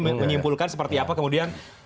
menyimpulkan seperti apa kemudian